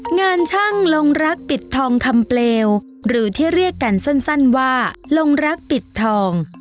งานช่างลงรักปิดทองคำเปลวหรือที่เรียกกันสั้นว่าลงรักปิดทอง